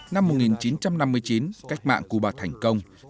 năm một nghìn chín trăm năm mươi chín cách mạng cuba thành công